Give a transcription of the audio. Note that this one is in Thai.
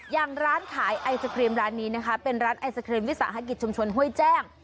อย่างร้านขายไอศครีมร้านนี้นะคะเป็นร้านไอศครีมวิสาหกิจชุมชนห้วยแจ้ง